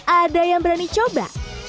ada yang berani coba